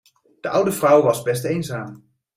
De oude vrouw was best eenzaam.